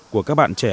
của các bạn trẻ